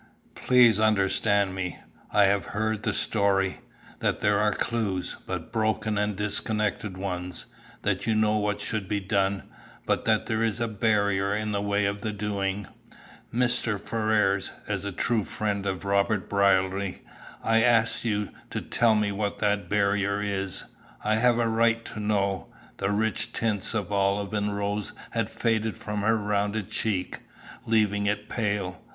"Please understand me. I have heard the story; that there are clues, but broken and disconnected ones; that you know what should be done, but that there is a barrier in the way of the doing. Mr. Ferrars, as a true friend of Robert Brierly, I ask you to tell me what that barrier is? I have a right to know." The rich tints of olive and rose had faded from her rounded cheek, leaving it pale.